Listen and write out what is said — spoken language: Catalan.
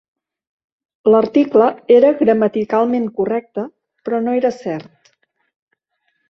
L'article era gramaticalment correcte, però no era cert.